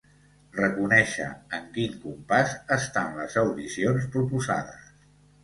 Reconèixer en quin compàs estan les audicions proposades.